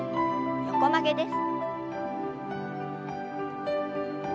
横曲げです。